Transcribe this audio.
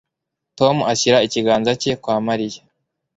Tom ashyira ikiganza cye kwa Mariya